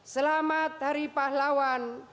selamat hari pahlawan